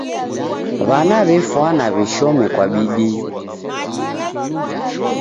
W'ana w'efwana w'ishome kwa bidii.